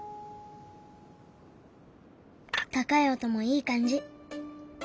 高い音もいい感じ。